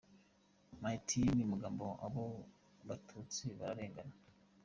Martin Bangamwabo : Abo batutsi bararengana.